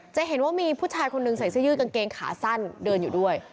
จะเห็นว่ามีผู้ชายคนหนึ่งใส่เสื้อยืดกางเกงขาสั้นเดินอยู่ด้วย